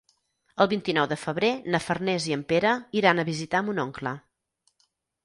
El vint-i-nou de febrer na Farners i en Pere iran a visitar mon oncle.